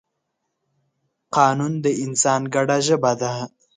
قانون د انسان ګډه ژبه ده.